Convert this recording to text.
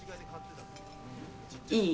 いい？